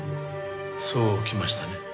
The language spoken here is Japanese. そうきましたね。